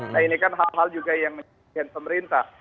nah ini kan hal hal juga yang menjadikan pemerintah